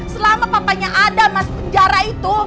selama papanya adam masuk penjara itu